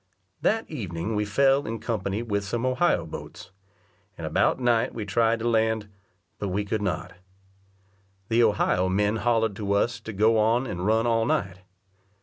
That evening we fell in company with some Ohio boats; and about night we tried to land, but we could not. The Ohio men hollered to us to go on and run all night.